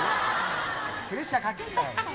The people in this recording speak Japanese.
プレッシャーかけるなよ。